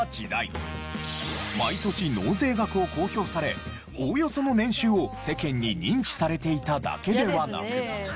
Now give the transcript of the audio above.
毎年納税額を公表されおおよその年収を世間に認知されていただけではなく。